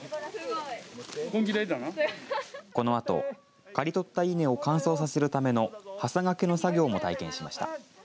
このあと刈り取った稲を乾燥させるためのはさがけの作業も体験しました。